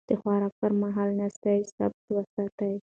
د خوراک پر مهال ناسته ثابته وساتئ.